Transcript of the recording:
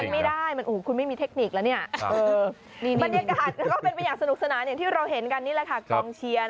มันก็เป็นอย่างสนุกสนานที่เราเห็นกันนี้มันก็กองเชียร์